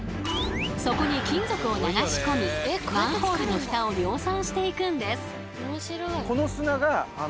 そこに金属を流しこみマンホールのフタを量産していくんです。